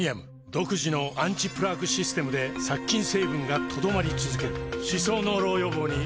独自のアンチプラークシステムで殺菌成分が留まり続ける歯槽膿漏予防にプレミアム